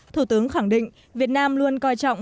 thủ tướng khẳng định việt nam luôn coi trọng